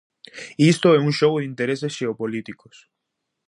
Isto é un xogo de intereses xeopolíticos.